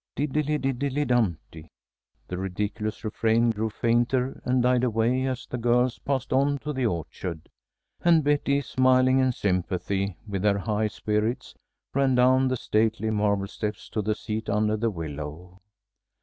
"Diddledy diddledy dumpty" the ridiculous refrain grew fainter and died away as the girls passed on to the orchard, and Betty, smiling in sympathy with their high spirits, ran down the stately marble steps to the seat under the willow.